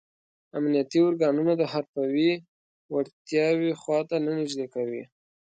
امنیتي ارګانونه د حرفوي وړتیاو خواته نه نږدې کوي.